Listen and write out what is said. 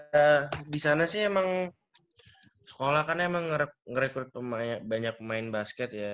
ya di sana sih emang sekolah kan emang ngerekrut banyak pemain basket ya